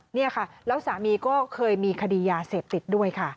นี่ค่ะแล้วสามีก็เคยมีคดียาเสพติดด้วยค่ะ